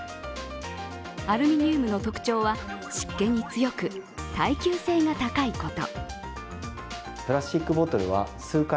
アルミニウムの特徴は、湿気に強く耐久性が高いこと。